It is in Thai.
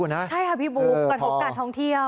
ใช่ค่ะพี่บู๊ก่อนหกการท่องเที่ยว